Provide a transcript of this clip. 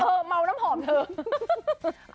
เออเมาน้ำหอมเถอะ